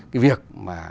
cái việc mà